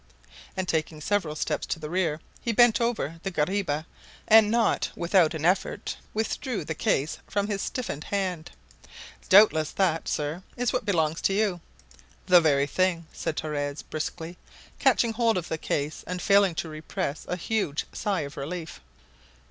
And taking several steps to the rear, he bent over the guariba, and, not without an effort, withdrew the case from his stiffened hand. "Doubtless that, sir, is what belongs to you?" "The very thing," said Torres briskly, catching hold of the case and failing to repress a huge sigh of relief.